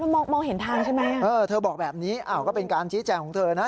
มองมองเห็นทางใช่ไหมเออเธอบอกแบบนี้อ้าวก็เป็นการชี้แจงของเธอนะ